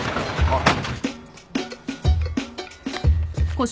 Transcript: あっ。